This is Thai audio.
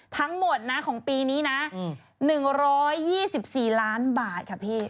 ทั้งหมดนะของปีนี้นะ๑๒๔ล้านบาทค่ะพี่